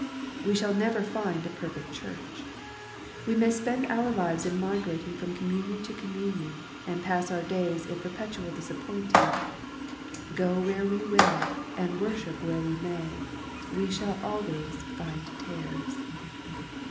We shall never find a perfect Church. We may spend our lives in migrating from communion to communion, and pass our days in perpetual disappoint ment. Go where we will, and worship where we may, we shall always find tares.